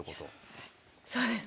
そうです。